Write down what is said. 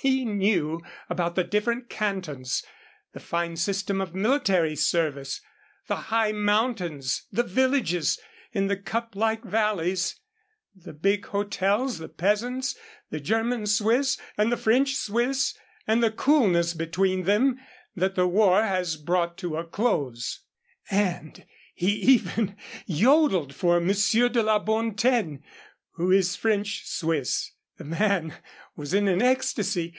He knew about the different cantons, the fine system of military service, the high mountains, the villages in the cup like valleys, the big hotels, the peasants, the German Swiss and the French Swiss, and the coolness between them that the war has brought to a close, and he even yodelled for Monsieur de la Bontaine who is French Swiss. The man was in an ecstasy.